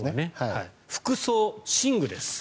服装、寝具です。